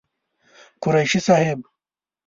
قريشي صاحب